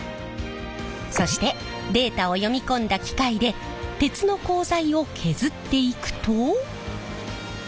そしてデータを読み込んだ機械で鉄の鋼材を削っていくと。